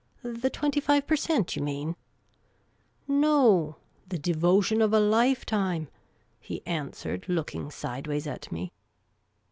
" The twenty five per cent., you mean ?"•" No, the de votion of a lifetime," he answered, looking sideways at me.